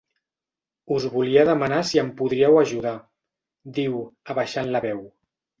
Us volia demanar si em podríeu ajudar —diu, abaixant la veu.